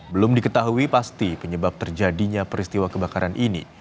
belum diketahui pasti penyebab terjadinya peristiwa kebakaran ini